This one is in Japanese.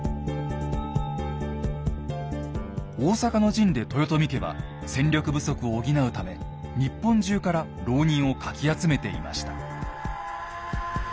大坂の陣で豊臣家は戦力不足を補うため日本中から牢人をかき集めていました。